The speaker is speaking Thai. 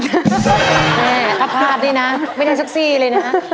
เฮ้ข้าพลาดดีนะไม่ได้ซักซี่เลยนะ